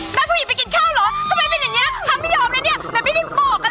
ซามีพี่กาเป็นอยู่อยู่ดีกว่าเซลลึต